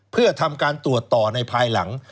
เพื่อทำการตรวจต่อในภายหลัง